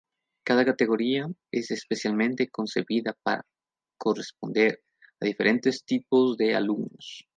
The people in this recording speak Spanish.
Cada categoría es especialmente concebida para corresponder a diferentes tipos de alumnos.